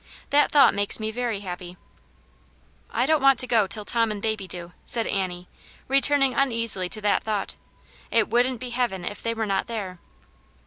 That thought makes me very happy." " I don't want to go till Tom and baby do," said Annie, returning uneasily to that thought. "It wouldn't be heaven if they were not there."